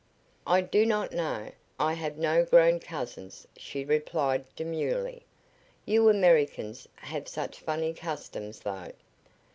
"I do not know. I have no grown cousins," she replied, demurely. "You Americans have such funny customs, though.